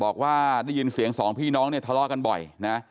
บอกว่าได้ยินเสียงสองพี่น้องเนี่ยทะเลาะกันบ่อยนะ